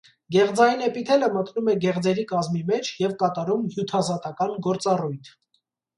Գեղձային էպիթելը մտնում է գեղձերի կազմի մեջ և կատարում հյութազատական գործառույթ։